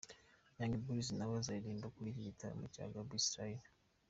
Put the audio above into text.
Young Boy nawe azaririmba muri iki gitaramo cya Baby Style.